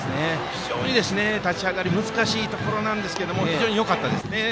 非常に立ち上がり難しいところでも非常によかったですね。